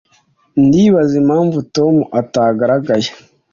Ndibaza impamvu Tom ataragaragaye